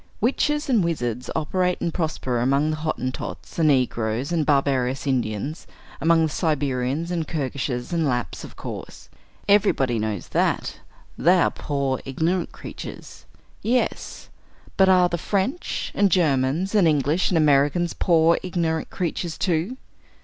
Witches and wizards operate and prosper among the Hottentots and negroes and barbarous Indians, among the Siberians and Kirgishes and Lapps, of course. Everybody knows that they are poor ignorant creatures! Yes: but are the French and Germans and English and Americans poor ignorant creatures too?